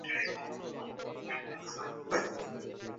আরেকটা ক্রিপ্টোনাইটের ধাপ্পাবাজি।